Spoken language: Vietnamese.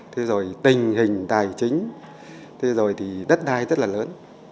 thế rồi tình hình tài chính thế rồi thì đất đai rất là lớn